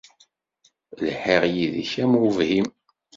Lḥiɣ yid-k am ubhim.